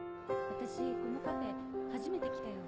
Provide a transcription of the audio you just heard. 私このカフェ初めて来たよ。